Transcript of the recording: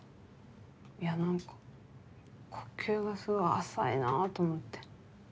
いや何か呼吸がすごい浅いなと思って。